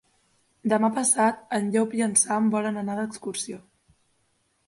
Demà passat en Llop i en Sam volen anar d'excursió.